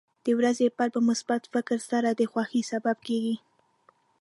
د ورځې پیل په مثبت فکر سره د خوښۍ سبب کېږي.